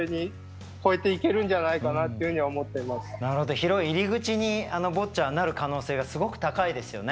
広い入り口にボッチャはなる可能性がすごく高いですよね。